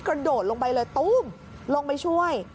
กระโดดลงไปเลยตู้มลงไปช่วย